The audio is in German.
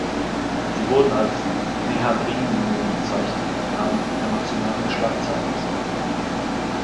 Sie wurden als „Mehadrin-Linien“ bezeichnet und haben international für Schlagzeilen gesorgt.